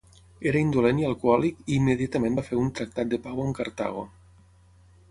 Era indolent i alcohòlic i immediatament va fer un tractat de pau amb Cartago.